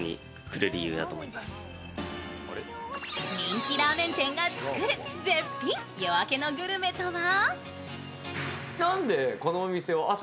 人気ラーメン店が作る絶品夜明けのグルメとは？